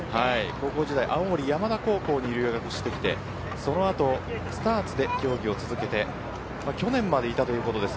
高校時代は青森山田高校に入学してきてそのあとスターツで競技を続け去年までいたということです。